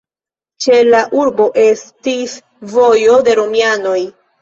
Ĉe la urbo estis vojo de romianoj.